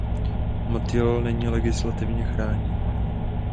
Motýl není legislativně chráněn.